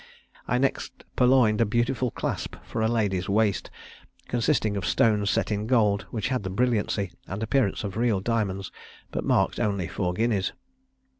I next purloined a beautiful clasp for a lady's waist, consisting of stones set in gold, which had the brilliancy and appearance of real diamonds, but marked only four guineas.